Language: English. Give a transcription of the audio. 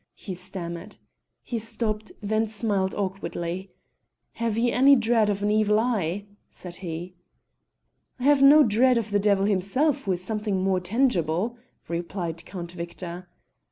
he stammered: he stopped, then smiled awkwardly. "Have ye any dread of an Evil Eye?" said he. "I have no dread of the devil himself, who is something more tangible," replied Count Victor.